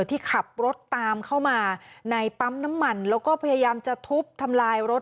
ที่ขับรถตามเข้ามาในปั๊มน้ำมันแล้วก็พยายามจะทุบทำลายรถ